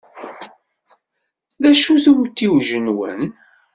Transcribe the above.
D acu-t umtiweg-nwen?